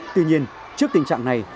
tuy nhiên trước tình trạng này